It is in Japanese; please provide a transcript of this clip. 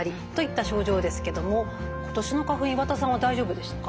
今年の花粉岩田さんは大丈夫でしたか？